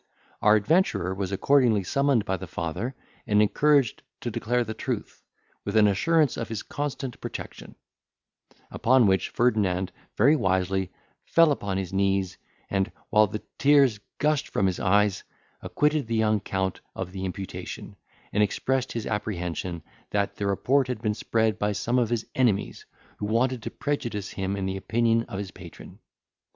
Our adventurer was accordingly summoned by the father, and encouraged to declare the truth, with an assurance of his constant protection; upon which Ferdinand very wisely fell upon his knees, and, while the tears gushed from his eyes, acquitted the young Count of the imputation, and expressed his apprehension, that the report had been spread by some of his enemies, who wanted to prejudice him in the opinion of his patron.